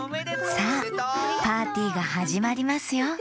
さあパーティーがはじまりますよ